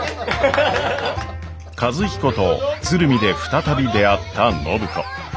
和彦と鶴見で再び出会った暢子。